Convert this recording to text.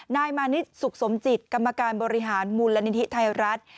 นายมานิดสุขสมจิตกรรมการบริหารมูลนิธิไทยรัฐ